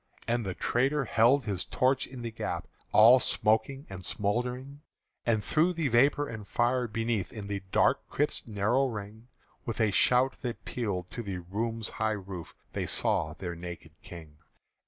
And the traitor held his torch in the gap, All smoking and smouldering; And through the vapour and fire, beneath In the dark crypt's narrow ring, With a shout that pealed to the room's high roof They saw their naked King.